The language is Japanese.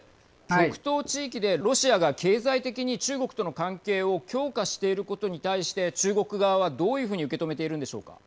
極東地域でロシアが経済的に中国との関係を強化していることに対して中国側は、どういうふうに受け止めているんでしょうか。